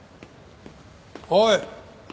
おい！